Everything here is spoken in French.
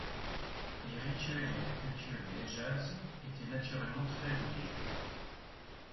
Les rituels et la culture du Hedjaz étaient naturellement très religieux.